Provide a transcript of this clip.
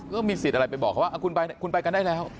ก็มีสิทธิ์อะไรไปบอกว่าคุณไปกันได้แล้ว